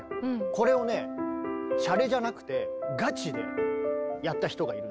これをねしゃれじゃなくてガチでやった人がいるんです。